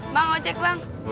bang ojek bang